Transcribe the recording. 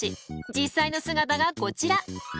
実際の姿がこちら。